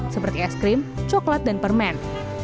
seperti es krim coklat dan permen